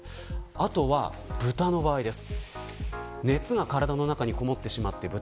あとは豚の場合です。